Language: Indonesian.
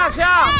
setelah lo muntah